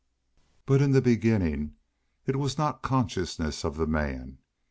But in the beginning it was not consciousness of the man.